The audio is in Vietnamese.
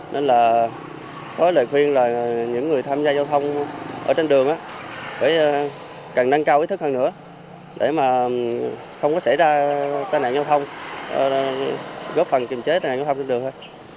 nên là với lời khuyên là những người tham gia giao thông ở trên đường phải cần nâng cao ý thức hơn nữa để mà không có xảy ra tai nạn giao thông góp phần kiềm chế tai nạn giao thông trên đường hơn